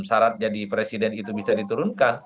syarat jadi presiden itu bisa diturunkan